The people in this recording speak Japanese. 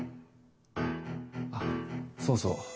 あっそうそう。